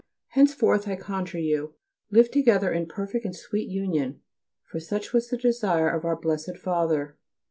Henceforth, I conjure you, live together in perfect and sweet union, for such was the desire of our Blessed Father.